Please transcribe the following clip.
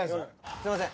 すいません。